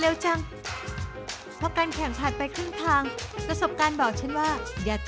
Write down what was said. เฮ้ยจริงเหรอเนี่ย